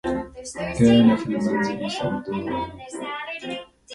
كان في المنزل صمت رهيب.